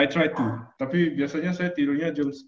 i try to tapi biasanya saya tidurnya jam sepuluh tiga puluh